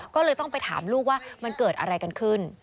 ก็เลยต้องไปถามลูกว่ามันเกิดอะไรกันขึ้น